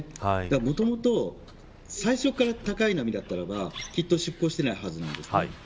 もともと最初から高い波だったらばきっと出港していないはずなんです。